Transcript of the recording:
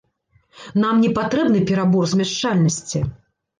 Нам не патрэбны перабор змяшчальнасці.